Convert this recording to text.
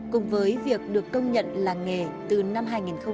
cùng với việc được công nhận là nghề từ năm hai nghìn một mươi bốn